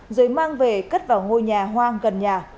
rồi mang về cất vào ngôi nhà hoang gần nhà